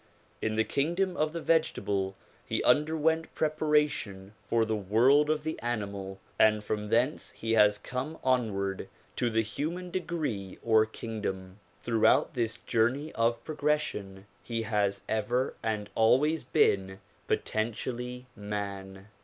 In the kingdom of the vegetable he underwent prepara tion for the world of the animal and from thence he has come on ward to the human degree or kingdom. Throughout this journey of progression he has ever and always been potentially man.